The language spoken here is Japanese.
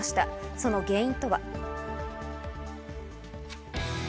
その原因とは。